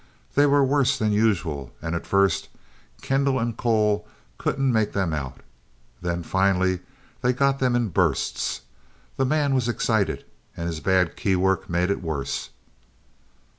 They were worse than usual, and at first Kendall and Cole couldn't make them out. Then finally they got them in bursts. The man was excited, and his bad key work made it worse.